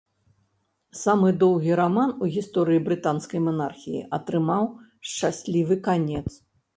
Самы доўгі раман у гісторыі брытанскай манархіі атрымаў шчаслівы канец.